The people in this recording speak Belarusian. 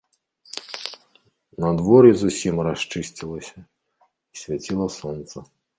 Надвор'е зусім расчысцілася, і свяціла сонца.